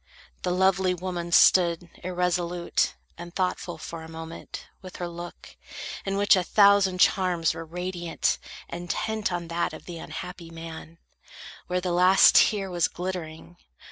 The lovely woman stood irresolute, And thoughtful, for a moment, with her look, In which a thousand charms were radiant, Intent on that of the unhappy man, Where the last tear was glittering.